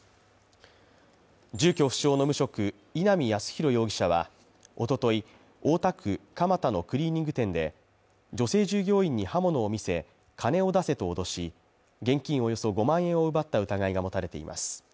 住居不詳の無職・稲見康博容疑者は、おととい大田区蒲田のクリーニング店で女性従業員に刃物を見せ、金を出せと脅し、現金およそ５万円を奪った疑いが持たれています。